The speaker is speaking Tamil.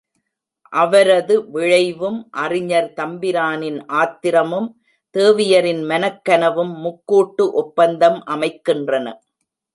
அவரது விழைவும் அறிஞர் தம்பிரானின் ஆத்திரமும் தேவியாரின் மனக்கனவும் முக்கூட்டு ஒப்பந்தம் அமைக்கின்றன.